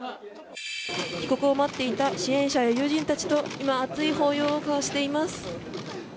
帰国を待っていた支援者や友人たちと今、熱い抱擁を交わしています。